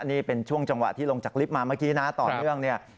นี่เป็นช่วงจังหวะที่ลงจากลิฟต์มาเมื่อกี้นะต่อเนื่องเนี่ย